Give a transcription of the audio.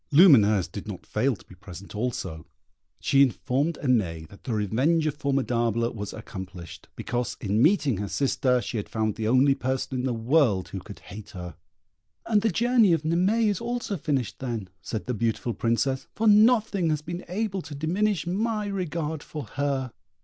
Lumineuse did not fail to be present also. She informed Aimée that the revenge of Formidable was accomplished, because, in meeting her sister, she had found the only person in the world who could hate her. "And the journey of Naimée is also finished, then," said the beautiful Princess, "for nothing has been able to diminish my regard for her."